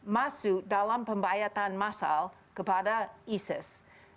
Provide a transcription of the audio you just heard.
masuk dalam pembayatan masal kepada isis